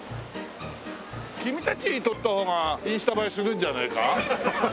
君たちを撮った方がインスタ映えするんじゃないか？